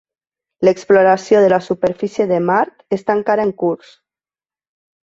L'exploració de la superfície de Mart està encara en curs.